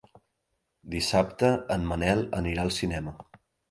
Dissabte en Manel anirà al cinema.